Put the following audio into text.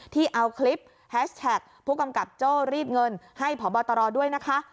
ที่เอาคลิปแฮชแท็กผู้กำกับโจ้รีดเงินให้พบตรด้วยนะคะ